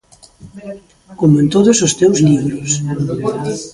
Como en todos os teus libros.